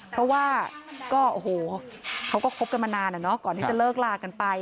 เพราะว่าเขาก็คบกันมานานก่อนที่จะเลิกลากันไป